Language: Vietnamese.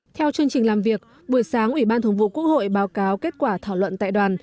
theo chương trình làm việc buổi sáng ủy ban thường vụ quốc hội báo cáo kết quả thảo luận tại đoàn